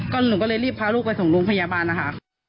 ก็เลยหนึ่งก็ลีบพาลูกไปส่งลงพยาบาลค่ะ